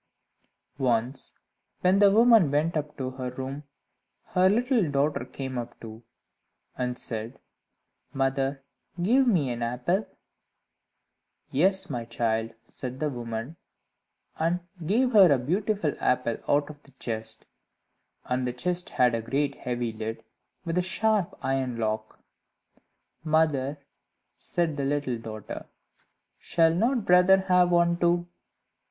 Once, when the woman went up to her room, her little daughter came up too, and said "Mother, give me an apple." "Yes, my child," said the woman, and gave her a beautiful apple out of the chest; and the chest had a great heavy lid, with a great sharp iron lock. "Mother," said the little daughter, "shall not brother have one too?"